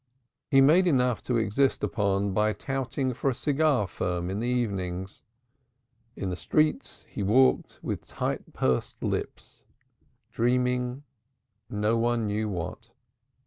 He made enough to exist upon by touting for a cigar firm in the evenings. In the streets he walked with tight pursed lips, dreaming no one knew what.